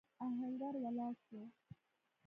آهنګر ولاړ شو.